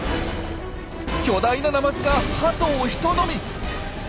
巨大なナマズがハトをひと飲み！